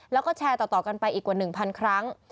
แล้วก็แชร์ต่อกันไปอีกกว่า๑๐๐ครั้ง